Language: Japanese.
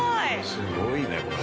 すごいねこれ。